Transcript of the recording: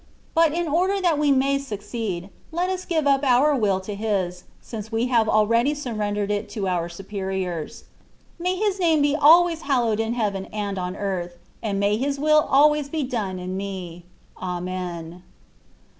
But in order that we may succeed, let us give up our will to His, since we have already surrendered it to our superiors. May His name be always hallowed in heaven and on earth, and may His will always be done in me. Amen.